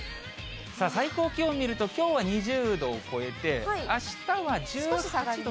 最高気温を見ると、きょうは２０度を超えて、あしたは１８度。